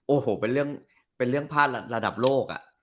โอ้โหเป็นเรื่องพลาดระดับโลก